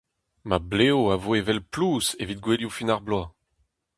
Ma blev a vo evel plouz evit gouelioù fin ar bloaz !